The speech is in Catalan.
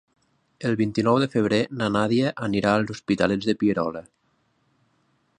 El vint-i-nou de febrer na Nàdia anirà als Hostalets de Pierola.